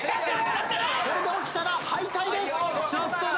これで落ちたら敗退です。